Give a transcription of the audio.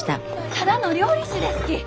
ただの料理酒ですき！